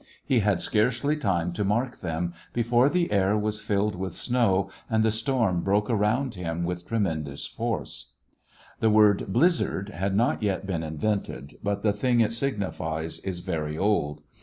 He had scarcely time to mark them before the air was filled with snow and the storm broke around him with tremendous force. The word "blizzard" had not yet been invented, but the thing it signi fies is very old.